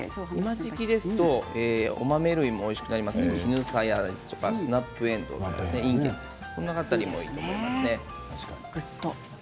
今の時期ですとお豆類もおいしくなりますのできぬさやとかスナップえんどうとかいんげんとかその辺りもいいですね。